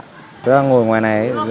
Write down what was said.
tôi đang ngồi ngoài này